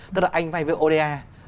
tức là anh vay với oda